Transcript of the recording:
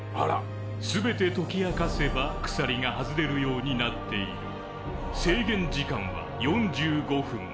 全て解き明かせば鎖が外れるようになっている制限時間は４５分。